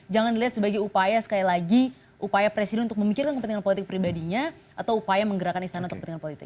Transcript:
jangan dilihat sebagai upaya sekali lagi upaya presiden untuk memikirkan kepentingan politik pribadinya atau upaya menggerakkan istana untuk kepentingan politik